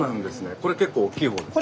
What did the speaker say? これ結構大きいほうですか？